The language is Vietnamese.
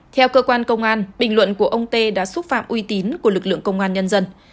theo cơ quan công an bình luận của ông tê đã xúc phạm uy tín của lực lượng công an nhân dân